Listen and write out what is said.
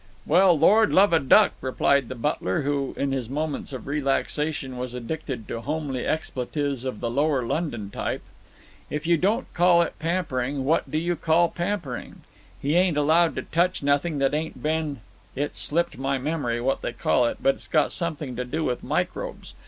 "Well, Lord love a duck!" replied the butler, who in his moments of relaxation was addicted to homely expletives of the lower London type. "If you don't call it pampering, what do you call pampering? He ain't allowed to touch nothing that ain't been—it's slipped my memory what they call it, but it's got something to do with microbes.